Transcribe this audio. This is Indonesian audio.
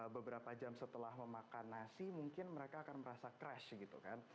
beberapa jam setelah memakan nasi mungkin mereka akan merasa crash gitu kan